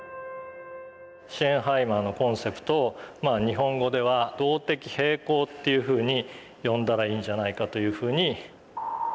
シェーンハイマーのコンセプトを日本語では「動的平衡」というふうに呼んだらいいんじゃないかというふうに。